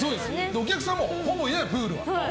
お客さんもほぼいないの、プールは。